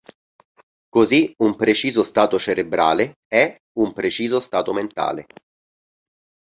Così un preciso stato cerebrale "è" un preciso stato mentale.